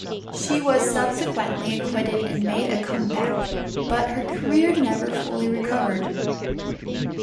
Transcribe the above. She was subsequently acquitted and made a comeback, but her career never fully recovered.